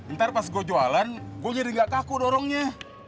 ntar pas gue jualan gue jadi gak kaku dorongnya